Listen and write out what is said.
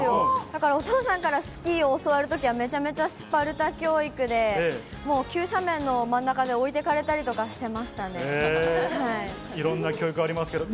だからお父さんからスキーを教わるときは、めちゃめちゃスパルタ教育で、もう急斜面の真ん中で置いろんな教育がありますけど。